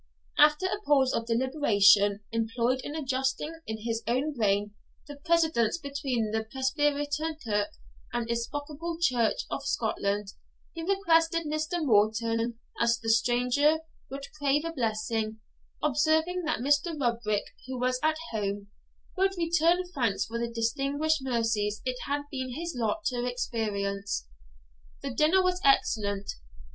After a pause of deliberation, employed in adjusting in his own brain the precedence between the Presbyterian kirk and Episcopal church of Scotland, he requested Mr. Morton, as the stranger, would crave a blessing, observing that Mr. Rubrick, who was at HOME, would return thanks for the distinguished mercies it had been his lot to experience. The dinner was excellent.